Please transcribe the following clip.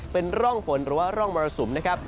เป็นร่องฝนหรือว่าร่องมรสุมนะครับ